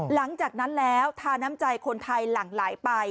หลังจากนั้นแล้วทาน้ำใจคนไทยหลั่งไหลไป